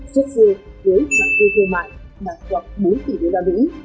suốt xưa dưới mặt tiêu thương mại đạt khoảng bốn tỷ đô la mỹ